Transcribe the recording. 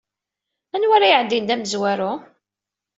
Anwa ara iɛeddin d amezwaru?